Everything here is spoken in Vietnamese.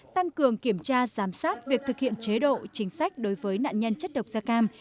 tăng cường kiểm tra giám sát việc thực hiện chế độ chính sách đối với nạn nhân chất độc da cam